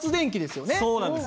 そうなんですね。